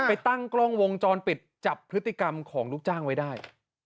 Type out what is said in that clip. ไปตั้งกล้องวงจรปิดจับพฤติกรรมของลูกจ้างไว้ได้